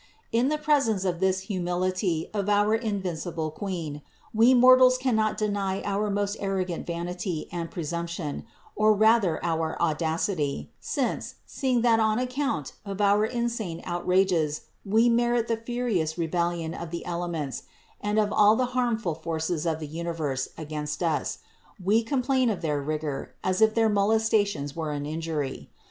22. In the presence of this humility of our invincible Queen, we mortals cannot deny our most arrogant vanity and presumption, or rather our audacity, since, seeing that on account of our insane outrages we merit the furious rebellion of the elements and of all the harmful forces of the universe against us, we complain of their rigor, as if their molestations were an injury.